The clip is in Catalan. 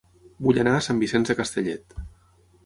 Vull anar a Sant Vicenç de Castellet